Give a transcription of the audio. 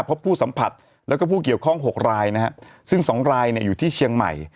พบผู้สัมผัสแล้วก็ผู้เกี่ยวข้อง๖รายนะฮะซึ่งสองรายเนี่ยอยู่ที่เชียงใหม่